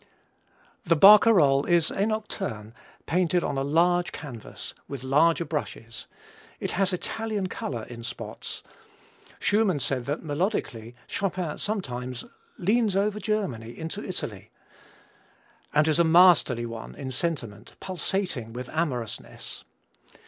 The Barcarolle is a nocturne painted on a large canvas, with larger brushes. It has Italian color in spots Schumann said that, melodically, Chopin sometimes "leans over Germany into Italy" and is a masterly one in sentiment, pulsating with amorousness.